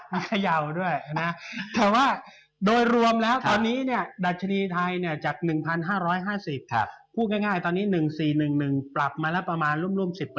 พยาวด้วยนะแต่ว่าโดยรวมแล้วตอนนี้เนี่ยดัชนีไทยจาก๑๕๕๐พูดง่ายตอนนี้๑๔๑๑ปรับมาแล้วประมาณร่วม๑๐